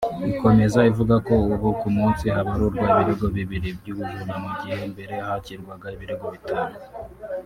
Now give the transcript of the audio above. Ikomeza ivuga ko ubu ku munsi habarurwa ibirego bibiri by’ubujura mu gihe mbere hakirwaga ibirego bitanu